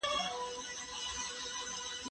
زه به سبا پاکوالي وساتم!؟